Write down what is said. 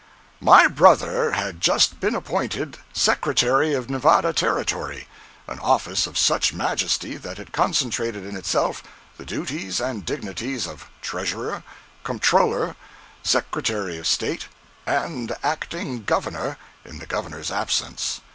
My brother had just been appointed Secretary of Nevada Territory—an office of such majesty that it concentrated in itself the duties and dignities of Treasurer, Comptroller, Secretary of State, and Acting Governor in the Governor's absence.